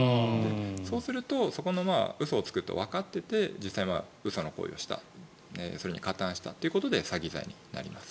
そうすると、嘘をつくとわかってて、実際その行為をしたそれに加担したということで詐欺罪になります。